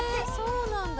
そうなんだ。